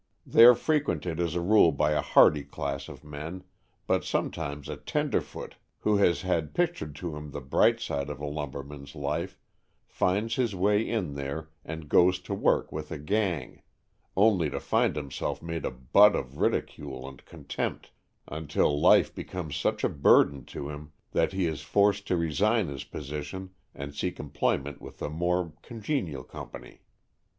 They are frequented as a rule by a hardy class of men, but sometimes a "tenderfoot," who has had pictured to him the bright side of a lum berman's life, finds his way in there and goes to work with a "gang," only to find himself made a butt of ridicule and con tempt until life becomes such a burden to him that he is forced to resign his position and seek employment with a more congenial company.